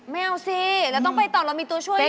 ไม่เอาสิเราต้องไปต่อเรามีตัวช่วยด้วย